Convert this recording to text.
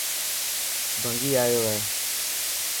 ڀنگي آيو هي.